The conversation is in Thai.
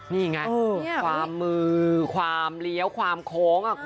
นี่ไงความมือความเลี้ยวความโค้ง